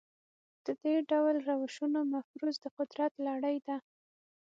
د دې ډول روشونو مفروض د قدرت لړۍ ده.